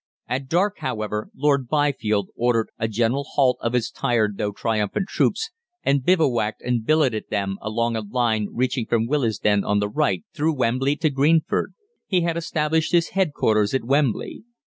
"At dark, however, Lord Byfield ordered a general halt of his tired though triumphant troops, and bivouacked and billeted them along a line reaching from Willesden on the right through Wembley to Greenford. He established his headquarters at Wembley.